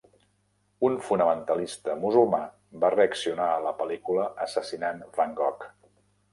Un fonamentalista musulmà va reaccionar a la pel·lícula assassinant Van Gogh.